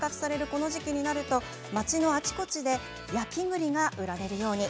この時期になると町のあちこちで焼き栗が売られるように。